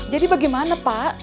jadi bagaimana pak